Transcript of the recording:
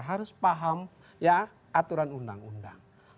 harus paham ya aturan undang undang